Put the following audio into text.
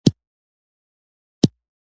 سړک له وطن سره مینه ښيي.